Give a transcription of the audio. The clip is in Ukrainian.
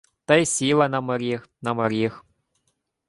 Та й сіла на моріг, на моріг